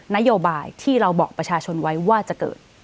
นโยบายที่เราบอกประชาชนไว้ว่าจะเกิด